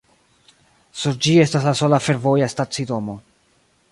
Sur ĝi estas la sola fervoja stacidomo.